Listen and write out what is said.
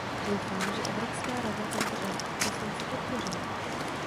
Doufám, že Evropská rada tento balík v prosinci podpoří.